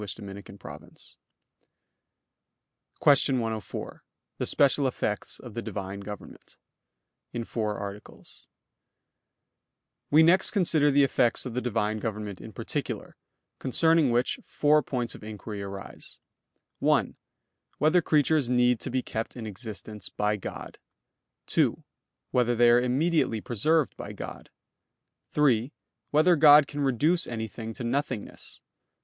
_______________________ QUESTION 104 THE SPECIAL EFFECTS OF THE DIVINE GOVERNMENT (In Four Articles) We next consider the effects of the Divine government in particular; concerning which four points of inquiry arise: (1) Whether creatures need to be kept in existence by God? (2) Whether they are immediately preserved by God? (3) Whether God can reduce anything to nothingness?